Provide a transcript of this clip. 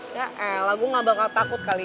ya elah gue gak bakal takut kali